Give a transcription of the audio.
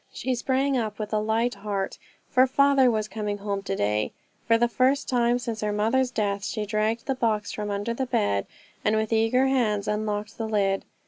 She sprang up with a light heart, for father was coming home to day. For the first time since her mother's death she dragged the box from under the bed, and with eager hands unlocked the lid.